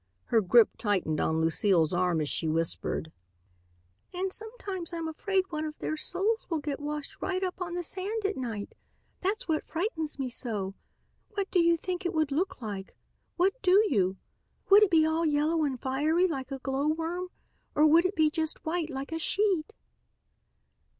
Her grip tightened on Lucile's arm as she whispered: "And sometimes I'm afraid one of their souls will get washed right up on the sand at night. That's what frightens me so. What do you think it would look like? What do you? Would it be all yellow and fiery like a glowworm or would it be just white, like a sheet?"